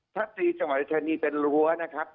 ทัศนีจังหวัดอาทิตย์เป็นรั้วนะครับ